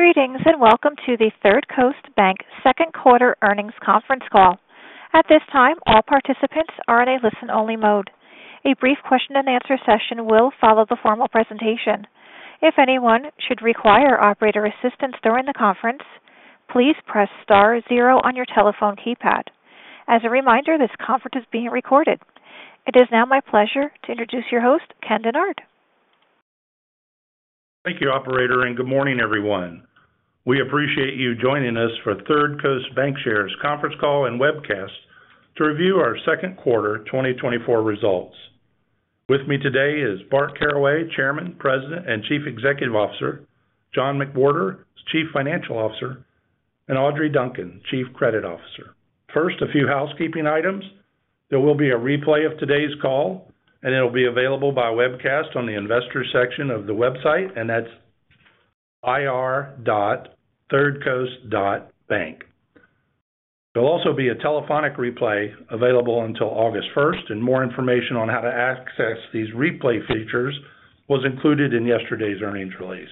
Greetings and welcome to the Third Coast Bank Second Quarter Earnings Conference Call. At this time, all participants are in a listen-only mode. A brief question-and-answer session will follow the formal presentation. If anyone should require operator assistance during the conference, please press star zero on your telephone keypad. As a reminder, this conference is being recorded. It is now my pleasure to introduce your host, Ken Dennard. Thank you, Operator, and good morning, everyone. We appreciate you joining us for Third Coast Bancshares Conference Call and webcast to review our second quarter 2024 results. With me today is Bart Caraway, Chairman, President, and Chief Executive Officer; John McWhorter, Chief Financial Officer; and Audrey Duncan, Chief Credit Officer. First, a few housekeeping items. There will be a replay of today's call, and it'll be available by webcast on the investor section of the website, and that's ir.thirdcoast.bank. There'll also be a telephonic replay available until August 1st, and more information on how to access these replay features was included in yesterday's earnings release.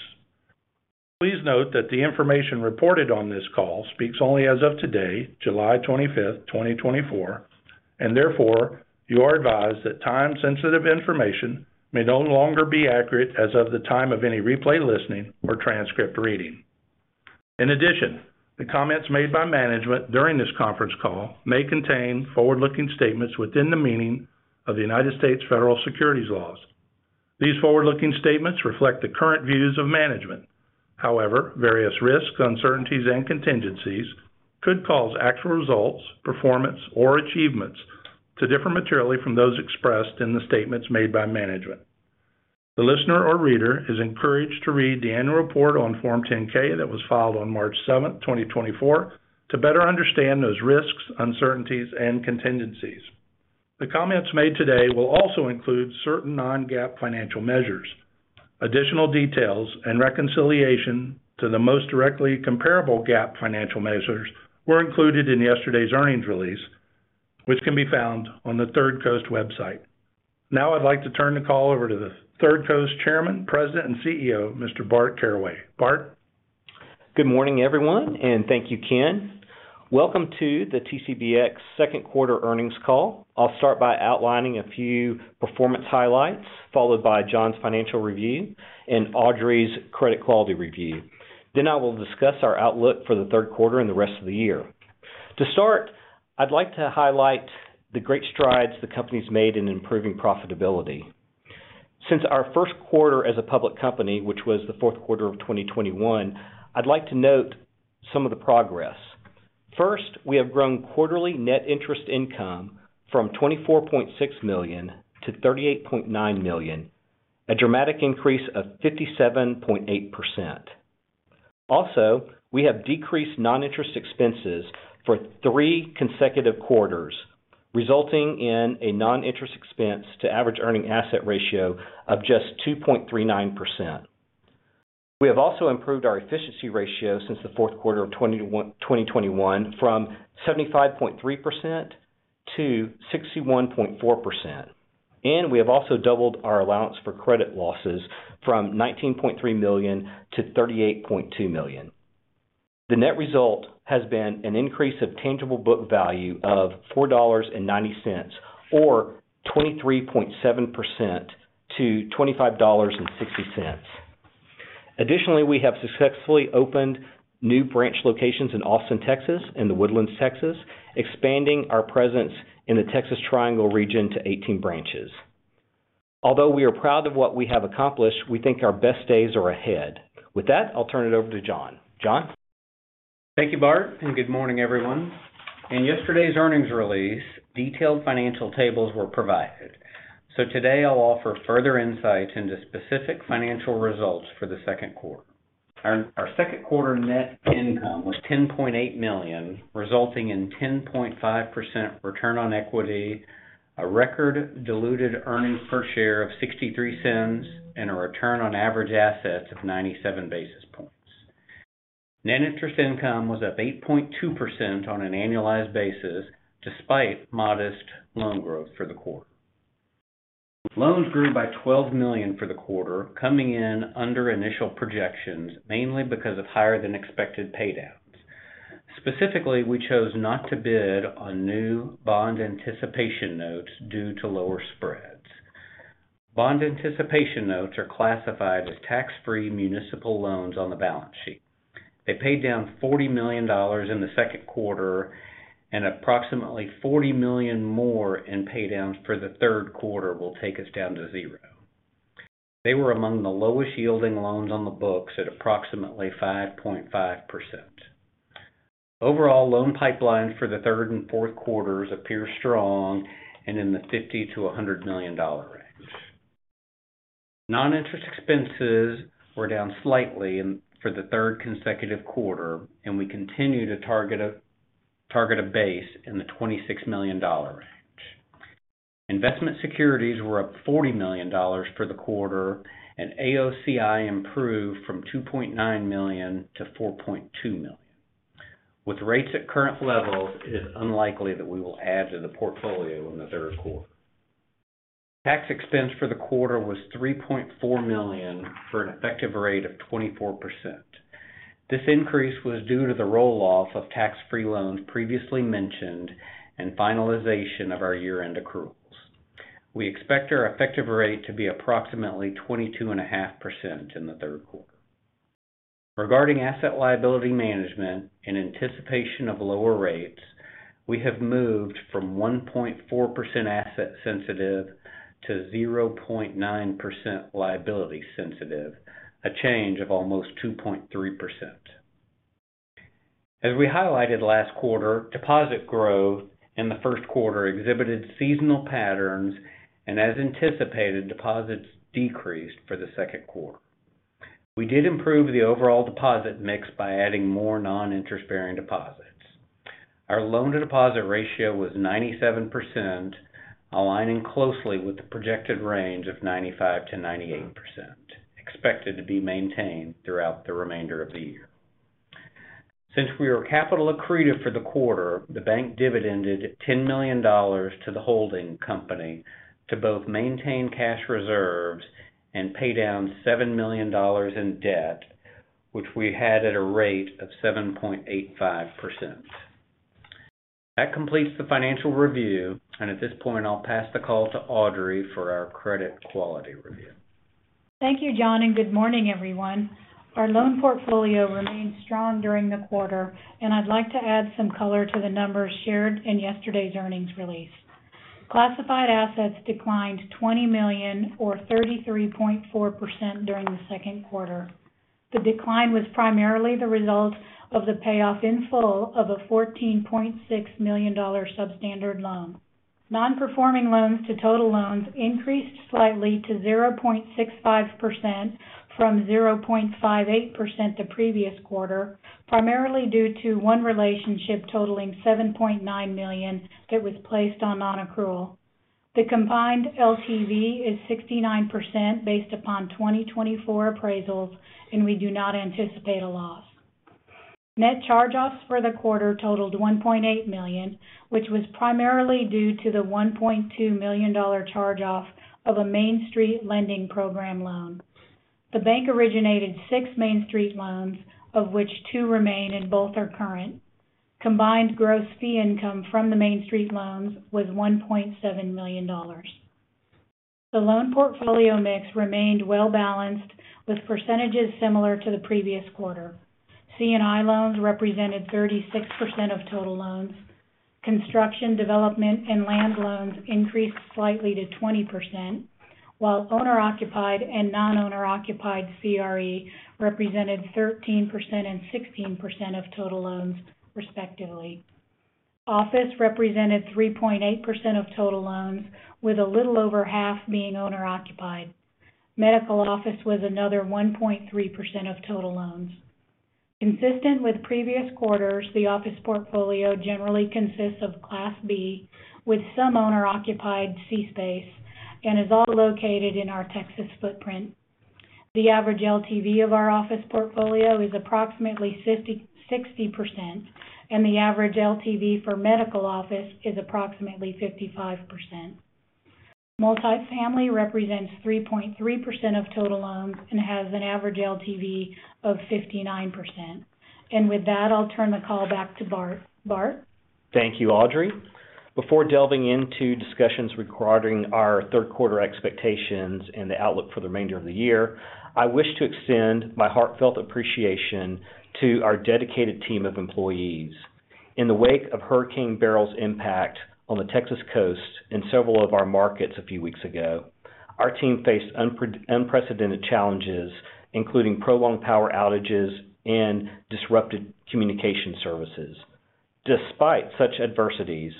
Please note that the information reported on this call speaks only as of today, July 25th, 2024, and therefore, you are advised that time-sensitive information may no longer be accurate as of the time of any replay listening or transcript reading. In addition, the comments made by management during this conference call may contain forward-looking statements within the meaning of the United States Federal Securities Laws. These forward-looking statements reflect the current views of management. However, various risks, uncertainties, and contingencies could cause actual results, performance, or achievements to differ materially from those expressed in the statements made by management. The listener or reader is encouraged to read the annual report on Form 10-K that was filed on March 7th, 2024, to better understand those risks, uncertainties, and contingencies. The comments made today will also include certain non-GAAP financial measures. Additional details and reconciliation to the most directly comparable GAAP financial measures were included in yesterday's earnings release, which can be found on the Third Coast website. Now, I'd like to turn the call over to the Third Coast Chairman, President, and CEO, Mr. Bart Caraway. Bart. Good morning, everyone, and thank you, Ken. Welcome to the TCBX Second Quarter Earnings Call. I'll start by outlining a few performance highlights, followed by John's financial review and Audrey's credit quality review. Then I will discuss our outlook for the third quarter and the rest of the year. To start, I'd like to highlight the great strides the company's made in improving profitability. Since our first quarter as a public company, which was the fourth quarter of 2021, I'd like to note some of the progress. First, we have grown quarterly net interest income from $24.6 million to $38.9 million, a dramatic increase of 57.8%. Also, we have decreased non-interest expenses for three consecutive quarters, resulting in a non-interest expense to average earning asset ratio of just 2.39%. We have also improved our efficiency ratio since the fourth quarter of 2021 from 75.3% to 61.4%. We have also doubled our allowance for credit losses from $19.3 million to $38.2 million. The net result has been an increase of tangible book value of $4.90, or 23.7% to $25.60. Additionally, we have successfully opened new branch locations in Austin, Texas, and The Woodlands, Texas, expanding our presence in the Texas Triangle region to 18 branches. Although we are proud of what we have accomplished, we think our best days are ahead. With that, I'll turn it over to John. John? Thank you, Bart, and good morning, everyone. In yesterday's earnings release, detailed financial tables were provided. So today, I'll offer further insight into specific financial results for the second quarter. Our second quarter net income was $10.8 million, resulting in 10.5% return on equity, a record diluted earnings per share of $0.63, and a return on average assets of 97 basis points. Net interest income was up 8.2% on an annualized basis, despite modest loan growth for the quarter. Loans grew by $12 million for the quarter, coming in under initial projections, mainly because of higher-than-expected paydowns. Specifically, we chose not to bid on new bond anticipation notes due to lower spreads. Bond anticipation notes are classified as tax-free municipal loans on the balance sheet. They paid down $40 million in the second quarter, and approximately $40 million more in paydowns for the third quarter will take us down to zero. They were among the lowest-yielding loans on the books at approximately 5.5%. Overall, loan pipelines for the third and fourth quarters appear strong and in the $50-$100 million range. Non-interest expenses were down slightly for the third consecutive quarter, and we continue to target a base in the $26 million range. Investment securities were up $40 million for the quarter, and AOCI improved from $2.9 million to $4.2 million. With rates at current levels, it is unlikely that we will add to the portfolio in the third quarter. Tax expense for the quarter was $3.4 million for an effective rate of 24%. This increase was due to the roll-off of tax-free loans previously mentioned and finalization of our year-end accruals. We expect our effective rate to be approximately 22.5% in the third quarter. Regarding asset liability management in anticipation of lower rates, we have moved from 1.4% asset-sensitive to 0.9% liability-sensitive, a change of almost 2.3%. As we highlighted last quarter, deposit growth in the first quarter exhibited seasonal patterns, and as anticipated, deposits decreased for the second quarter. We did improve the overall deposit mix by adding more non-interest-bearing deposits. Our loan-to-deposit ratio was 97%, aligning closely with the projected range of 95%-98%, expected to be maintained throughout the remainder of the year. Since we were capital accretive for the quarter, the bank dividended $10 million to the holding company to both maintain cash reserves and pay down $7 million in debt, which we had at a rate of 7.85%. That completes the financial review, and at this point, I'll pass the call to Audrey for our credit quality review. Thank you, John, and good morning, everyone. Our loan portfolio remained strong during the quarter, and I'd like to add some color to the numbers shared in yesterday's earnings release. Classified assets declined $20 million, or 33.4%, during the second quarter. The decline was primarily the result of the payoff in full of a $14.6 million substandard loan. Non-performing loans to total loans increased slightly to 0.65% from 0.58% the previous quarter, primarily due to one relationship totaling $7.9 million that was placed on non-accrual. The combined LTV is 69% based upon 2024 appraisals, and we do not anticipate a loss. Net charge-offs for the quarter totaled $1.8 million, which was primarily due to the $1.2 million charge-off of a Main Street Lending Program loan. The bank originated six Main Street loans, of which two remain and both are current. Combined gross fee income from the Main Street loans was $1.7 million. The loan portfolio mix remained well-balanced with percentages similar to the previous quarter. C&I loans represented 36% of total loans. Construction, development, and land loans increased slightly to 20%, while owner-occupied and non-owner-occupied CRE represented 13% and 16% of total loans, respectively. Office represented 3.8% of total loans, with a little over half being owner-occupied. Medical office was another 1.3% of total loans. Consistent with previous quarters, the office portfolio generally consists of Class B with some owner-occupied Class C space and is all located in our Texas footprint. The average LTV of our office portfolio is approximately 60%, and the average LTV for medical office is approximately 55%. Multifamily represents 3.3% of total loans and has an average LTV of 59%. And with that, I'll turn the call back to Bart. Bart? Thank you, Audrey. Before delving into discussions regarding our third quarter expectations and the outlook for the remainder of the year, I wish to extend my heartfelt appreciation to our dedicated team of employees. In the wake of Hurricane Beryl's impact on the Texas coast and several of our markets a few weeks ago, our team faced unprecedented challenges, including prolonged power outages and disrupted communication services. Despite such adversities,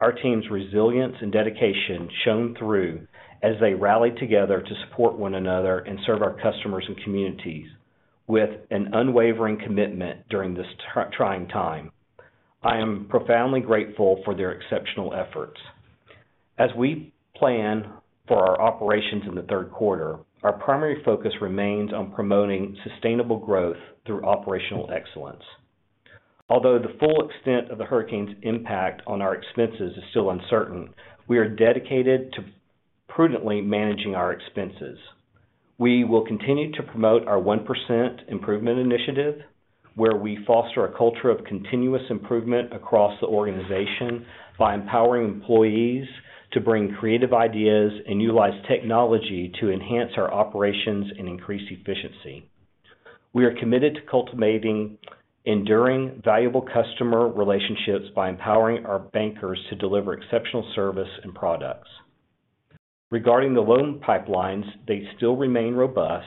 our team's resilience and dedication shone through as they rallied together to support one another and serve our customers and communities with an unwavering commitment during this trying time. I am profoundly grateful for their exceptional efforts. As we plan for our operations in the third quarter, our primary focus remains on promoting sustainable growth through operational excellence. Although the full extent of the hurricane's impact on our expenses is still uncertain, we are dedicated to prudently managing our expenses. We will continue to promote our 1% improvement initiative, where we foster a culture of continuous improvement across the organization by empowering employees to bring creative ideas and utilize technology to enhance our operations and increase efficiency. We are committed to cultivating enduring valuable customer relationships by empowering our bankers to deliver exceptional service and products. Regarding the loan pipelines, they still remain robust.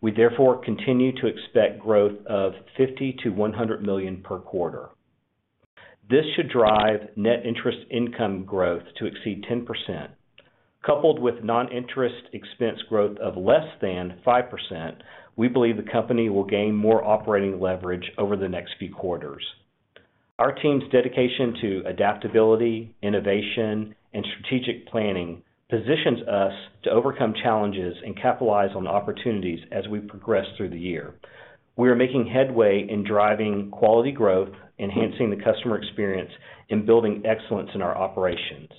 We therefore continue to expect growth of $50 million-$100 million per quarter. This should drive net interest income growth to exceed 10%. Coupled with non-interest expense growth of less than 5%, we believe the company will gain more operating leverage over the next few quarters. Our team's dedication to adaptability, innovation, and strategic planning positions us to overcome challenges and capitalize on opportunities as we progress through the year. We are making headway in driving quality growth, enhancing the customer experience, and building excellence in our operations.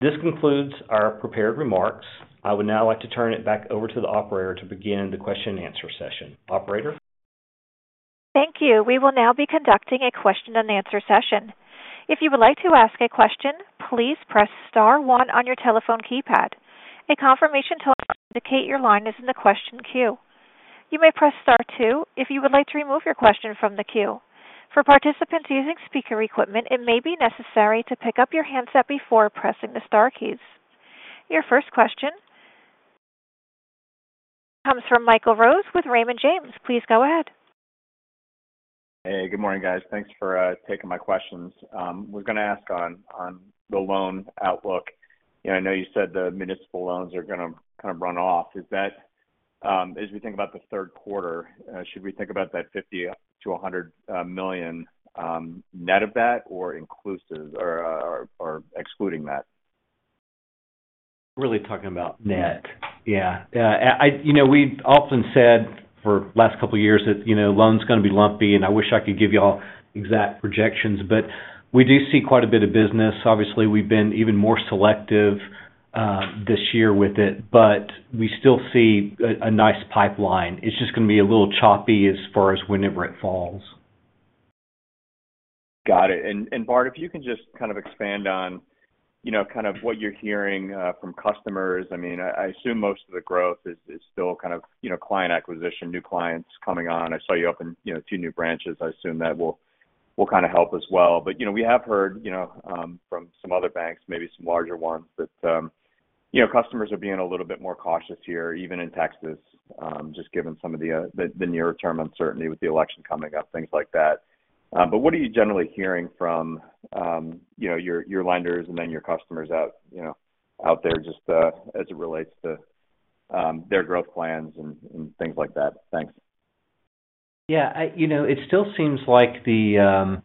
This concludes our prepared remarks. I would now like to turn it back over to the operator to begin the question-and-answer session. Operator? Thank you. We will now be conducting a question-and-answer session. If you would like to ask a question, please press Star 1 on your telephone keypad. A confirmation tells you to indicate your line is in the question queue. You may press Star 2 if you would like to remove your question from the queue. For participants using speaker equipment, it may be necessary to pick up your handset before pressing the Star keys. Your first question comes from Michael Rose with Raymond James. Please go ahead. Hey, good morning, guys. Thanks for taking my questions. I was going to ask on the loan outlook. I know you said the municipal loans are going to kind of run off. As we think about the third quarter, should we think about that $50 million-$100 million net of that or excluding that? Really talking about net. Yeah. We've often said for the last couple of years that loans are going to be lumpy, and I wish I could give you all exact projections, but we do see quite a bit of business. Obviously, we've been even more selective this year with it, but we still see a nice pipeline. It's just going to be a little choppy as far as whenever it falls. Got it. Bart, if you can just kind of expand on kind of what you're hearing from customers. I mean, I assume most of the growth is still kind of client acquisition, new clients coming on. I saw you open 2 new branches. I assume that will kind of help as well. We have heard from some other banks, maybe some larger ones, that customers are being a little bit more cautious here, even in Texas, just given some of the near-term uncertainty with the election coming up, things like that. What are you generally hearing from your lenders and then your customers out there just as it relates to their growth plans and things like that? Thanks. Yeah. It still seems like the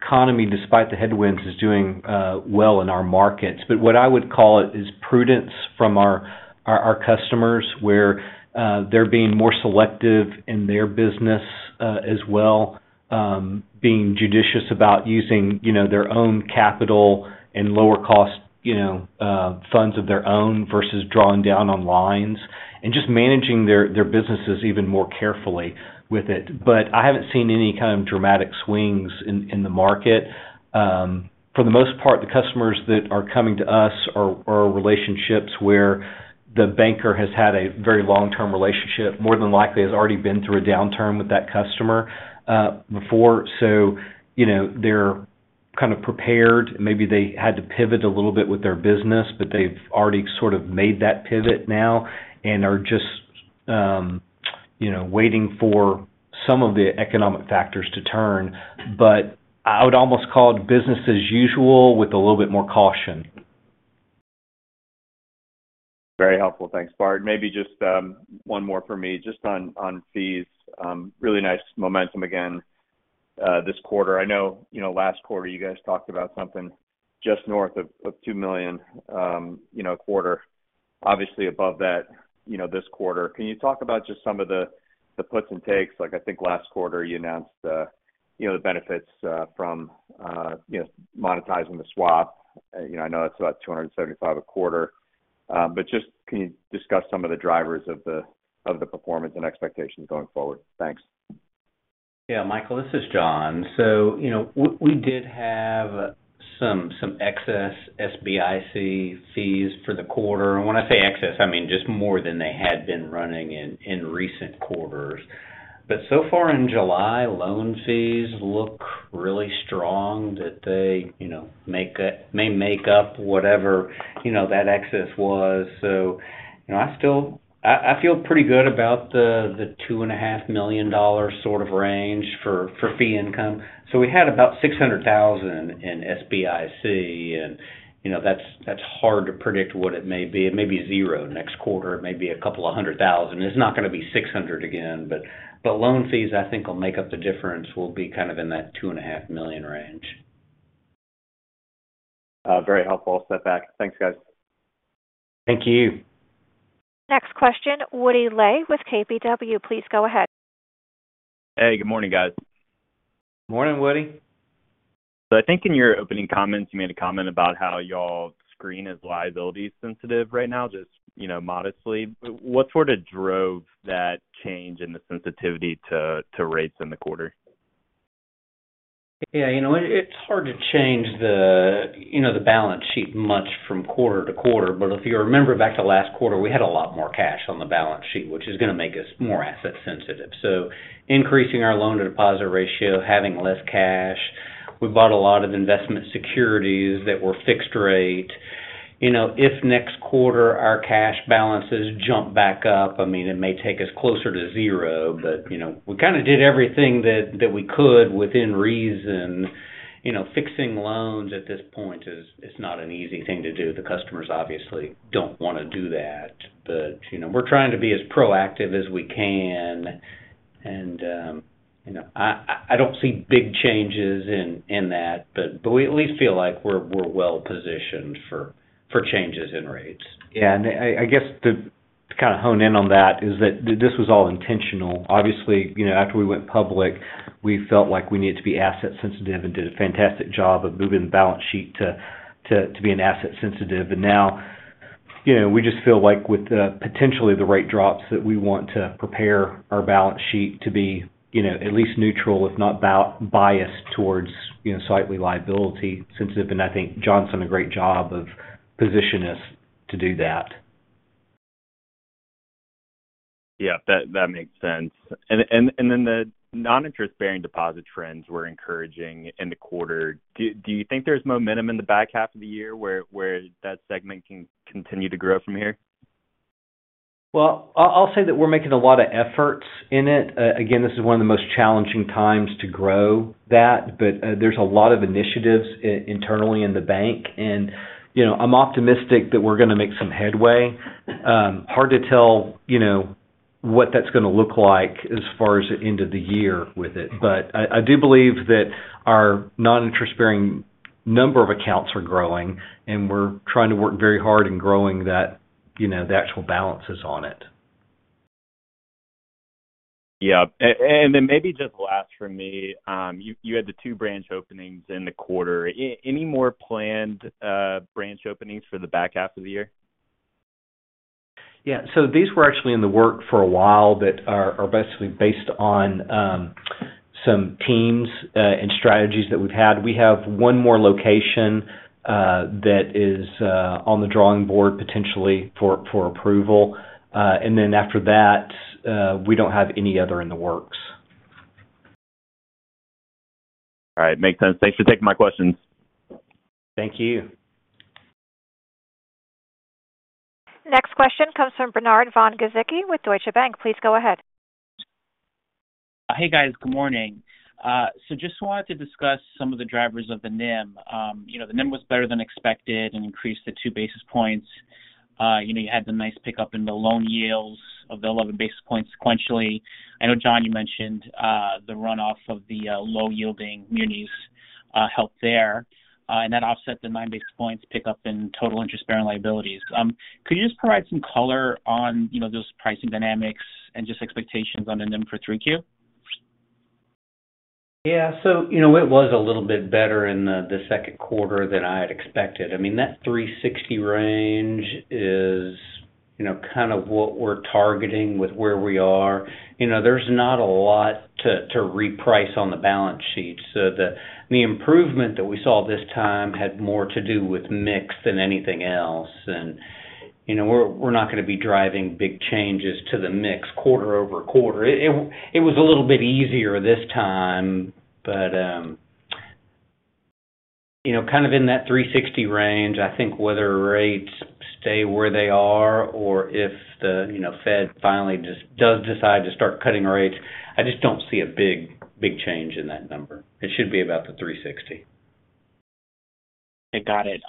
economy, despite the headwinds, is doing well in our markets. But what I would call it is prudence from our customers, where they're being more selective in their business as well, being judicious about using their own capital and lower-cost funds of their own versus drawing down on lines, and just managing their businesses even more carefully with it. But I haven't seen any kind of dramatic swings in the market. For the most part, the customers that are coming to us are relationships where the banker has had a very long-term relationship, more than likely has already been through a downturn with that customer before. So they're kind of prepared. Maybe they had to pivot a little bit with their business, but they've already sort of made that pivot now and are just waiting for some of the economic factors to turn. But I would almost call it business as usual with a little bit more caution. Very helpful. Thanks, Bart. Maybe just one more for me. Just on fees, really nice momentum again this quarter. I know last quarter you guys talked about something just north of $2 million a quarter, obviously above that this quarter. Can you talk about just some of the puts and takes? I think last quarter you announced the benefits from monetizing the swap. I know it's about $275,000 a quarter. But just can you discuss some of the drivers of the performance and expectations going forward? Thanks. Yeah, Michael, this is John. So we did have some excess SBIC fees for the quarter. And when I say excess, I mean just more than they had been running in recent quarters. But so far in July, loan fees look really strong that they may make up whatever that excess was. So I feel pretty good about the $2.5 million sort of range for fee income. So we had about $600,000 in SBIC, and that's hard to predict what it may be. It may be $0 next quarter. It may be $200,000. It's not going to be $600,000 again. But loan fees, I think, will make up the difference. We'll be kind of in that $2.5 million range. Very helpful. I'll step back. Thanks, guys. Thank you. Next question, Woody Lay with KBW. Please go ahead. Hey, good morning, guys. Morning, Woody. So I think in your opening comments, you made a comment about how your balance sheet is liability-sensitive right now, just modestly. What sort of drove that change in the sensitivity to rates in the quarter? Yeah. It's hard to change the balance sheet much from quarter to quarter. But if you remember back to last quarter, we had a lot more cash on the balance sheet, which is going to make us more asset-sensitive. So increasing our loan-to-deposit ratio, having less cash. We bought a lot of investment securities that were fixed rate. If next quarter our cash balances jump back up, I mean, it may take us closer to zero, but we kind of did everything that we could within reason. Fixing loans at this point is not an easy thing to do. The customers obviously don't want to do that, but we're trying to be as proactive as we can. And I don't see big changes in that, but we at least feel like we're well-positioned for changes in rates. Yeah. I guess to kind of hone in on that is that this was all intentional. Obviously, after we went public, we felt like we needed to be asset-sensitive and did a fantastic job of moving the balance sheet to be asset-sensitive. Now we just feel like with potentially the rate drops that we want to prepare our balance sheet to be at least neutral, if not biased towards slightly liability-sensitive. I think John's done a great job of positioning us to do that. Yeah, that makes sense. And then the non-interest-bearing deposit trends we're encouraging in the quarter, do you think there's momentum in the back half of the year where that segment can continue to grow from here? Well, I'll say that we're making a lot of efforts in it. Again, this is one of the most challenging times to grow that, but there's a lot of initiatives internally in the bank. And I'm optimistic that we're going to make some headway. Hard to tell what that's going to look like as far as the end of the year with it. But I do believe that our non-interest-bearing number of accounts are growing, and we're trying to work very hard in growing the actual balances on it. Yeah. And then maybe just last for me, you had the two branch openings in the quarter. Any more planned branch openings for the back half of the year? Yeah. So these were actually in the works for a while that are basically based on some teams and strategies that we've had. We have one more location that is on the drawing board potentially for approval. And then after that, we don't have any other in the works. All right. Makes sense. Thanks for taking my questions. Thank you. Next question comes from Bernard von Gizycki with Deutsche Bank. Please go ahead. Hey, guys. Good morning. So just wanted to discuss some of the drivers of the NIM. The NIM was better than expected and increased to 2 basis points. You had the nice pickup in the loan yields of the 11 basis points sequentially. I know, John, you mentioned the runoff of the low-yielding munis helped there, and that offset the 9 basis points pickup in total interest-bearing liabilities. Could you just provide some color on those pricing dynamics and just expectations on the NIM for 3Q? Yeah. So it was a little bit better in the second quarter than I had expected. I mean, that 360 range is kind of what we're targeting with where we are. There's not a lot to reprice on the balance sheet. So the improvement that we saw this time had more to do with mix than anything else. And we're not going to be driving big changes to the mix quarter over quarter. It was a little bit easier this time, but kind of in that 360 range, I think whether rates stay where they are or if the Fed finally just does decide to start cutting rates, I just don't see a big change in that number. It should be about the 360. Okay. Got it.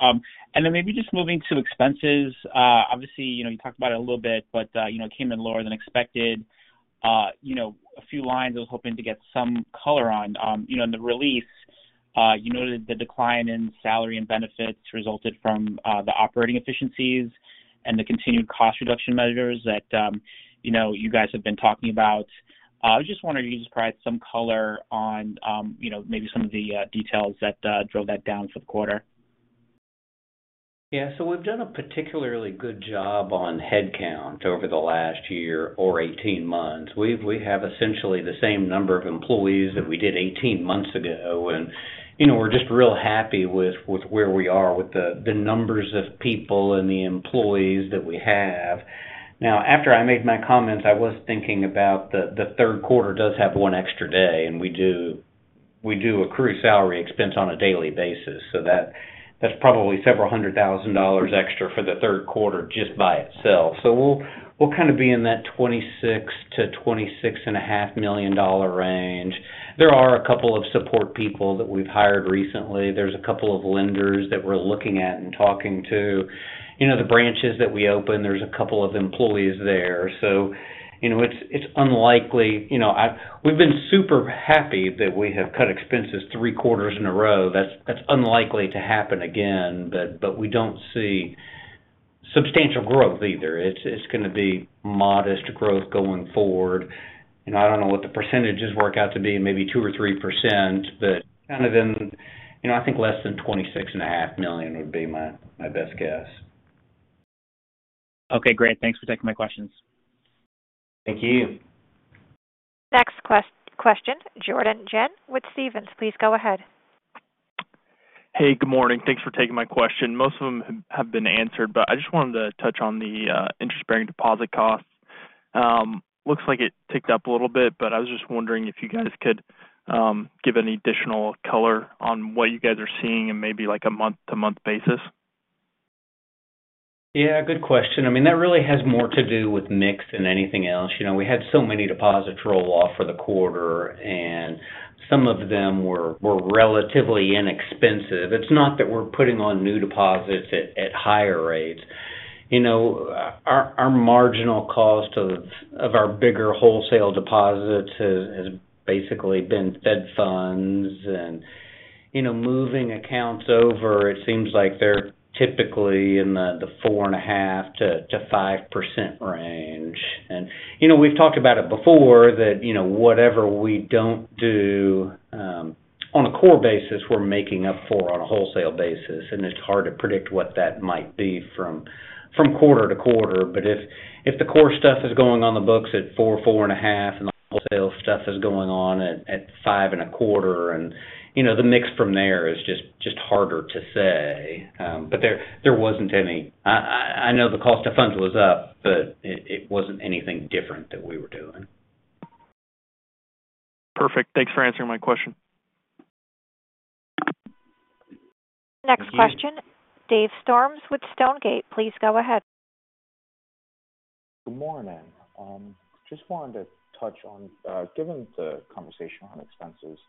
And then maybe just moving to expenses. Obviously, you talked about it a little bit, but it came in lower than expected. A few lines I was hoping to get some color on. In the release, you noted the decline in salary and benefits resulted from the operating efficiencies and the continued cost reduction measures that you guys have been talking about. I just wanted you to just provide some color on maybe some of the details that drove that down for the quarter. Yeah. So we've done a particularly good job on headcount over the last year or 18 months. We have essentially the same number of employees that we did 18 months ago. And we're just real happy with where we are with the numbers of people and the employees that we have. Now, after I made my comments, I was thinking about the third quarter does have one extra day, and we do accrue salary expense on a daily basis. So that's probably $several hundred thousand extra for the third quarter just by itself. So we'll kind of be in that $26 million-$26.5 million range. There are a couple of support people that we've hired recently. There's a couple of lenders that we're looking at and talking to. The branches that we open, there's a couple of employees there. So it's unlikely. We've been super happy that we have cut expenses three quarters in a row. That's unlikely to happen again, but we don't see substantial growth either. It's going to be modest growth going forward. I don't know what the percentages work out to be, maybe 2% or 3%, but kind of, I think, less than $26.5 million would be my best guess. Okay. Great. Thanks for taking my questions. Thank you. Next question, Jordan Ghent with Stephens. Please go ahead. Hey, good morning. Thanks for taking my question. Most of them have been answered, but I just wanted to touch on the interest-bearing deposit costs. Looks like it ticked up a little bit, but I was just wondering if you guys could give any additional color on what you guys are seeing and maybe a month-to-month basis? Yeah. Good question. I mean, that really has more to do with mix than anything else. We had so many deposits roll off for the quarter, and some of them were relatively inexpensive. It's not that we're putting on new deposits at higher rates. Our marginal cost of our bigger wholesale deposits has basically been Fed funds. And moving accounts over, it seems like they're typically in the 4.5%-5% range. And we've talked about it before that whatever we don't do on a core basis, we're making up for on a wholesale basis. And it's hard to predict what that might be from quarter to quarter. But if the core stuff is going on the books at 4, 4.5, and the wholesale stuff is going on at 5.25, the mix from there is just harder to say. But there wasn't any. I know the cost of funds was up, but it wasn't anything different that we were doing. Perfect. Thanks for answering my question. Next question, Dave Storms with Stonegate. Please go ahead. Good morning. Just wanted to touch on, given the conversation on expenses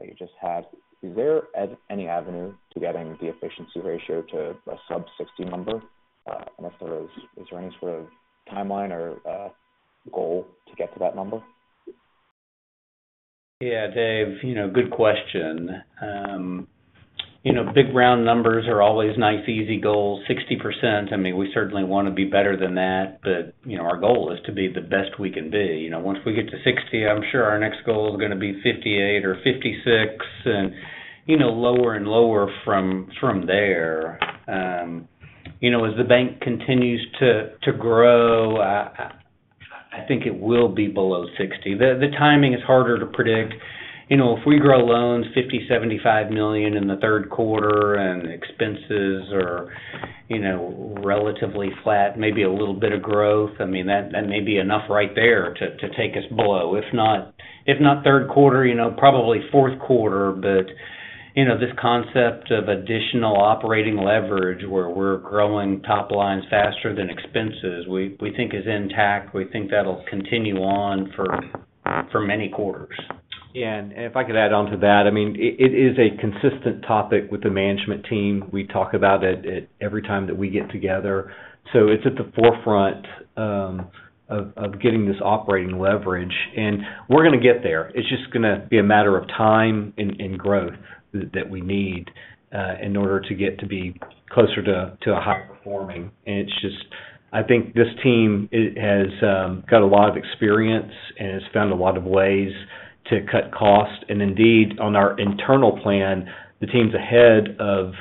that you just had, is there any avenue to getting the efficiency ratio to a sub-60 number? If there is, is there any sort of timeline or goal to get to that number? Yeah, Dave, good question. Big round numbers are always nice, easy goals. 60%, I mean, we certainly want to be better than that, but our goal is to be the best we can be. Once we get to 60, I'm sure our next goal is going to be 58 or 56 and lower and lower from there. As the bank continues to grow, I think it will be below 60. The timing is harder to predict. If we grow loans $50-$75 million in the third quarter and expenses are relatively flat, maybe a little bit of growth, I mean, that may be enough right there to take us below. If not third quarter, probably fourth quarter. But this concept of additional operating leverage where we're growing top lines faster than expenses, we think is intact. We think that'll continue on for many quarters. Yeah. And if I could add on to that, I mean, it is a consistent topic with the management team. We talk about it every time that we get together. So it's at the forefront of getting this operating leverage. And we're going to get there. It's just going to be a matter of time and growth that we need in order to get to be closer to a high performing. And it's just, I think this team has got a lot of experience and has found a lot of ways to cut costs. And indeed, on our internal plan, the team's ahead of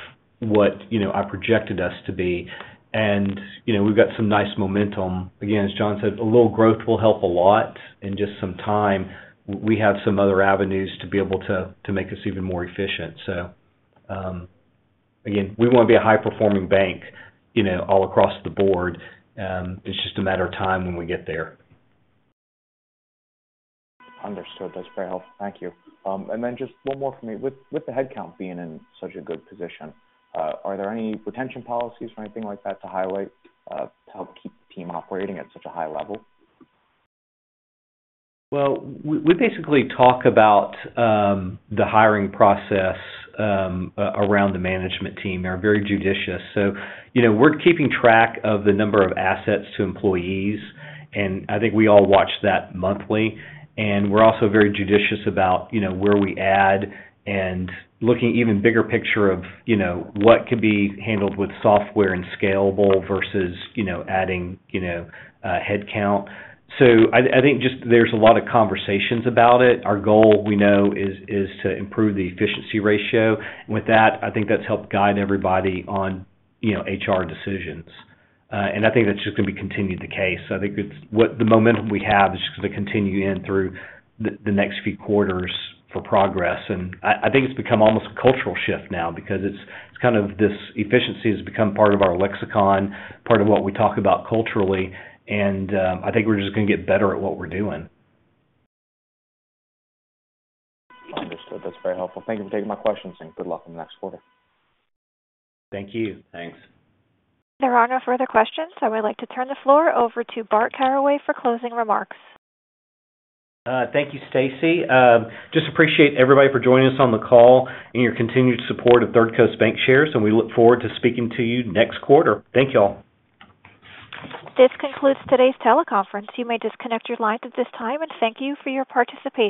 what I projected us to be. And we've got some nice momentum. Again, as John said, a little growth will help a lot. In just some time, we have some other avenues to be able to make us even more efficient. Again, we want to be a high-performing bank all across the board. It's just a matter of time when we get there. Understood. That's very helpful. Thank you. And then just one more for me. With the headcount being in such a good position, are there any retention policies or anything like that to highlight to help keep the team operating at such a high level? Well, we basically talk about the hiring process around the management team. They're very judicious. So we're keeping track of the number of assets to employees. And I think we all watch that monthly. And we're also very judicious about where we add and looking even bigger picture of what could be handled with software and scalable versus adding headcount. So I think just there's a lot of conversations about it. Our goal, we know, is to improve the efficiency ratio. And with that, I think that's helped guide everybody on HR decisions. And I think that's just going to be continued the case. I think the momentum we have is just going to continue in through the next few quarters for progress. I think it's become almost a cultural shift now because it's kind of this efficiency has become part of our lexicon, part of what we talk about culturally. I think we're just going to get better at what we're doing. Understood. That's very helpful. Thank you for taking my questions, and good luck in the next quarter. Thank you. Thanks. There are no further questions. I would like to turn the floor over to Bart Caraway for closing remarks. Thank you, Stacey. Just appreciate everybody for joining us on the call and your continued support of Third Coast Bancshares. We look forward to speaking to you next quarter. Thank y'all. This concludes today's teleconference. You may disconnect your lines at this time and thank you for your participation.